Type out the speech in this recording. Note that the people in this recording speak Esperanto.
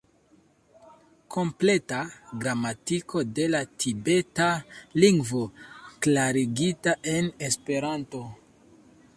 Kompleta Gramatiko de la Tibeta Lingvo klarigita en Esperanto.